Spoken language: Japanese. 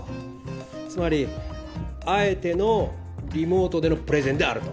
つまりあえてのリモートでのプレゼンであると。